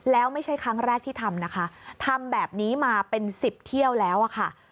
แล้วไม่ใช่ครั้งแรกที่ทำนะคะทำแบบนี้มาเป็น๑๐เที่ยวแล้วอะค่ะ